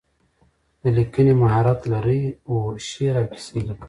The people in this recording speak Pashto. د لیکنې مهارت لرئ؟ هو، شعر او کیسې لیکم